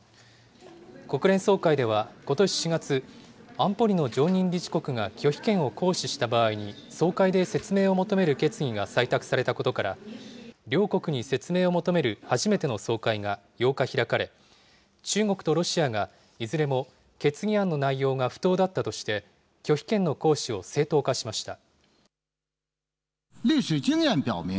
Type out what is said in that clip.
国連総会ではことし４月、安保理の常任理事国が拒否権を行使した場合に、総会で説明を求める決議が採択されたことから、両国に説明を求める初めての総会が８日開かれ、中国とロシアが、いずれも決議案の内容が不当だったとして、拒否権の行使を正当化しました。